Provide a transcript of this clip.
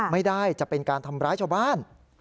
ไม่ได้จะเป็นการทำร้ายชาวบ้าน